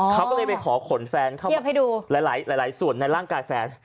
เขาก็เลยไปขอขนแฟนเขามาหลายส่วนในร่างกายแฟน